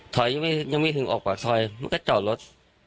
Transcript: ถอยยังไม่ยังไม่ถึงออกปากซอยมันก็เจาะรถ